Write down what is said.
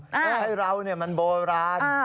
ให้เรามันโบราณ